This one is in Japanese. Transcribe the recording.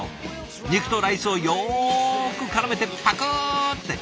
肉とライスをよくからめてパクッて。